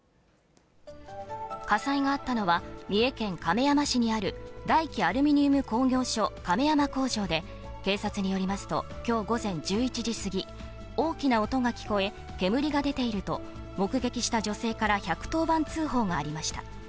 火災があったのは、三重県亀山市にある大紀アルミニウム工業所亀山工場で、警察によりますと、きょう午前１１時過ぎ、大きな音が聞こえ、煙が出ていると、目撃した女性から１１０番通報がありました。